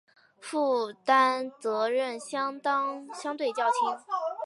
负担责任相对较轻